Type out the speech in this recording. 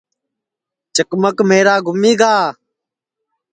چکمک میرا گُمیگا